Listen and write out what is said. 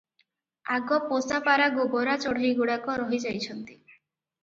ଆଗ ପୋଷା ପାରା ଗୋବରା ଚଢେଇ- ଗୁଡାକ ରହି ଯାଇଛନ୍ତି ।